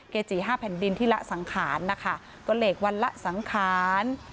เกจิห้าแผ่นดินที่ละสังขารนะคะก็เหลกวันละสังขาร